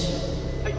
はい。